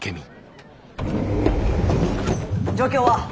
状況は？